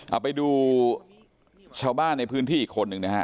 เอาไปดูชาวบ้านในพื้นที่อีกคนหนึ่งนะฮะ